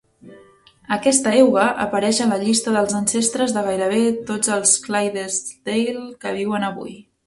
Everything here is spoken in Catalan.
Aquesta euga apareix a la llista dels ancestres de gairebé tots els Clydesdale que viuen avui.